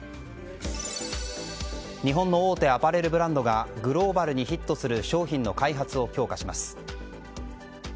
日本の大手アパレルブランドがグローバルにヒットする商品の開発を強化します。